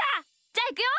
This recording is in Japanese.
じゃあいくよ！